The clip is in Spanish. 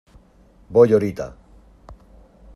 ¡ voy, horita!...